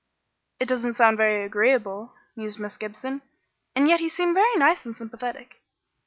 "It doesn't sound very agreeable," mused Miss Gibson; "and yet he seemed very nice and sympathetic."